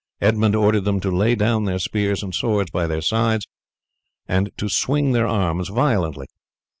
Edmund ordered them to lay down their spears and swords by their sides, and to swing their arms violently.